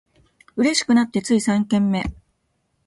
嬉しくなってつい三軒目